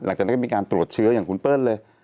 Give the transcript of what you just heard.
หลังจากนั้นก็มีการตรวจเชื้ออย่างคุณเปิ้ลเลย